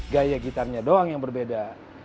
gaya gitarnya doang yang berbeda